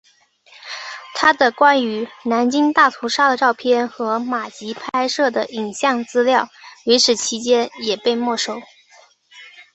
他的关于南京大屠杀的照片和马吉拍摄的影像资料与此期间也被没收。